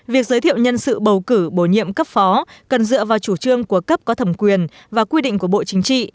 việc giới thiệu nhân sự bầu cử bổ nhiệm cấp phó cần dựa vào chủ trương của cấp có thẩm quyền và quy định của bộ chính trị